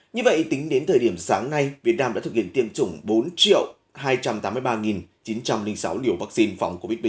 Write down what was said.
như vậy tính đến thời điểm sáng nay việt nam đã thực hiện tiêm chủng bốn hai trăm tám mươi ba chín trăm linh sáu liều vaccine phòng covid một mươi chín